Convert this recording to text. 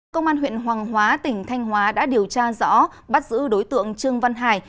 công an huyện hoàng hóa tỉnh thanh hóa đã điều tra rõ bắt giữ đối tượng trương văn hải